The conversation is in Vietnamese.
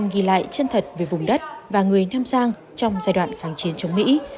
ghi lại chân thật về vùng đất và người nam giang trong giai đoạn kháng chiến chống mỹ